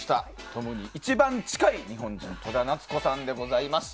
トムに一番近い日本人戸田奈津子さんでございます。